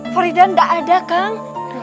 faridah enggak ada kang